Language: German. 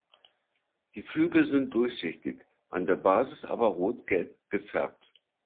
Die Flügel sind durchsichtig, an der Basis aber rotgelb gefärbt.